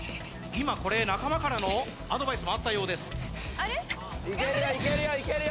今これ仲間からのアドバイスもあったようです・あれ？